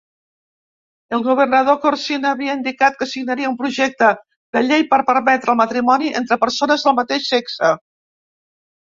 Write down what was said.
El governador Corzine havia indicat que signaria un projecte de llei per permetre el matrimoni entre persones del mateix sexe.